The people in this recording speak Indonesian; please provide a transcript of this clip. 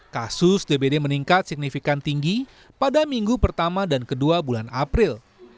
kasus dbd meningkat signifikan tinggi pada minggu pertama dan kedua bulan april